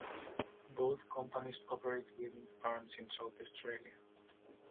Both companies operate wind farms in South Australia.